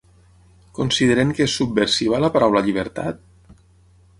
Consideren que és subversiva la paraula “llibertat”?